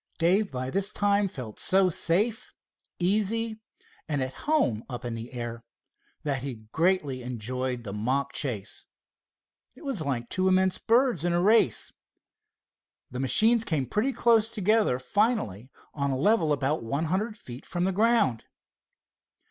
Dave by this time felt so safe, easy and at home up in the air, that he greatly enjoyed the mock chase. It was like two immense birds in a race. The machines came pretty close together finally on a level about one hundred feet from the ground.